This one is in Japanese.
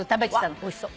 わっおいしそう。